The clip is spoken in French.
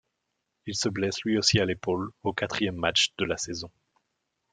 Il se blesse lui aussi à l'épaule au quatrième matchs de la saison.